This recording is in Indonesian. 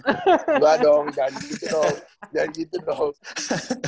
engga dong jangan gitu dong